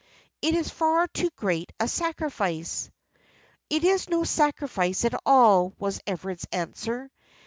"It is far too great a sacrifice." "It is no sacrifice at all," was Everard's answer.